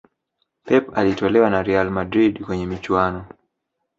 Pep alitolewa na Real Madrid kwenye michuano